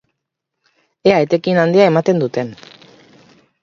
Ea etekin handia ematen duten.